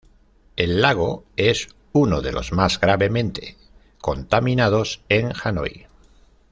El lago es uno de los más gravemente contaminados en Hanói.